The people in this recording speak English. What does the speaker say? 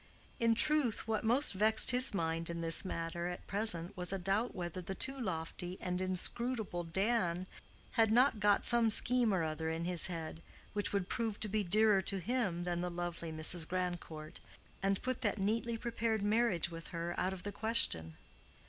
In truth, what most vexed his mind in this matter at present was a doubt whether the too lofty and inscrutable Dan had not got some scheme or other in his head, which would prove to be dearer to him than the lovely Mrs. Grandcourt, and put that neatly prepared marriage with her out of the question.